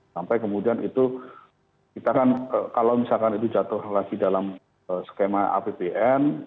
sampai kemudian itu kita kan kalau misalkan itu jatuh lagi dalam skema apbn